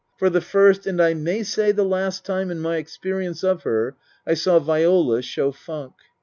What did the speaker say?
For the first, and I may say the last, time in my experience of her, I saw Viola show funk.